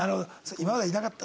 今まではいなかったんだ？